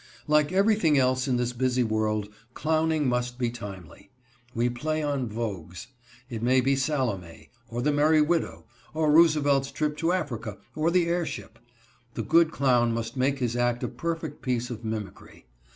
Like everything else in this busy world, clowning must be timely. We play on vogues. It may be Salome, or The Merry Widow, or Roosevelt's trip to Africa, or the airship. The good clown must make his act a perfect piece of mimicry.